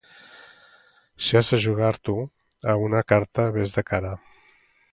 Si has de jugar-t'ho a una carta, vés de cara.